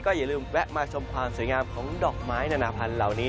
อย่าลืมแวะมาชมความสวยงามของดอกไม้นานาพันธ์เหล่านี้